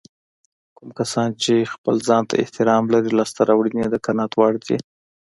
کوم کسان چې خپل ځانته احترام لري لاسته راوړنې يې د قناعت وړ وي.